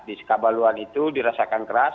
di sukabaluan itu dirasakan keras